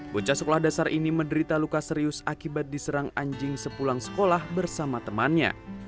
bocah sekolah dasar ini menderita luka serius akibat diserang anjing sepulang sekolah bersama temannya